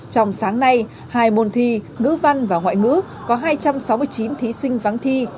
trong sáng nay hai môn thi ngữ văn và ngoại ngữ có hai trăm sáu mươi chín thí sinh vắng thi